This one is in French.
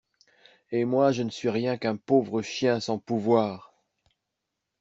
Et moi je ne suis rien qu'un pauvre chien sans pouvoir!